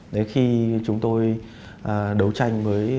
để khi chúng tôi đấu tranh với bùi văn công